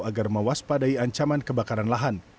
agar mewaspadai ancaman kebakaran lahan